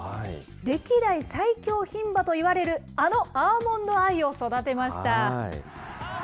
歴代最強ひん馬といわれるあのアーモンドアイを育てました。